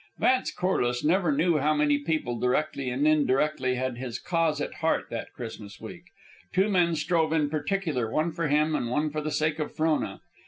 Vance Corliss never knew how many people, directly and indirectly, had his cause at heart that Christmas week. Two men strove in particular, one for him and one for the sake of Frona.